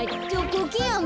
コケヤン。